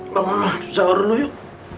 bangunlah di sahur lu yuk